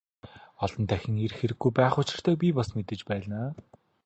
Олон дахин ирэх хэрэггүй байх учиртайг би бас мэдэж байна.